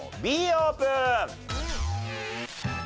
Ｂオープン。